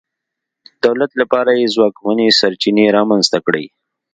دولت لپاره یې ځواکمنې سرچینې رامنځته کړې.